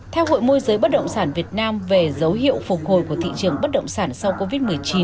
theo hội môi giới bất động sản việt nam về dấu hiệu phục hồi của thị trường bất động sản sau covid một mươi chín